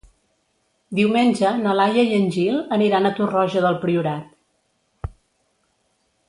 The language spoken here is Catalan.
Diumenge na Laia i en Gil aniran a Torroja del Priorat.